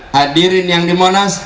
hadirin yang di monas